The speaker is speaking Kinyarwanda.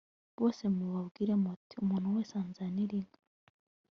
bose mubabwire muti umuntu wese anzanire inka